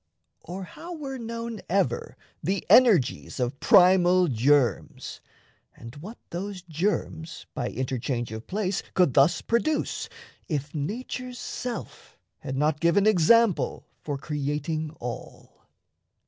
Or how were known Ever the energies of primal germs, And what those germs, by interchange of place, Could thus produce, if nature's self had not Given example for creating all?